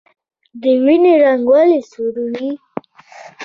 د وینې رنګ ولې سور دی